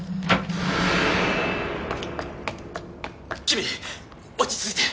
君落ち着いて。